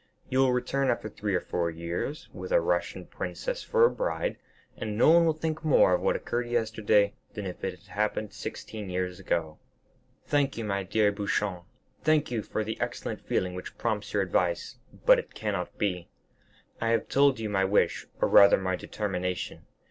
You will return after three or four years with a Russian princess for a bride, and no one will think more of what occurred yesterday than if it had happened sixteen years ago." "Thank you, my dear Beauchamp, thank you for the excellent feeling which prompts your advice; but it cannot be. I have told you my wish, or rather my determination.